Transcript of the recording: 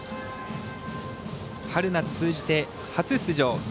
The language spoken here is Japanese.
春夏通じて初出場。